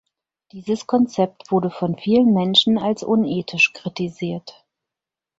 Dieses Konzept wurde von vielen Menschen als unethisch kritisiert.